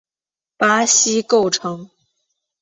巴西构成。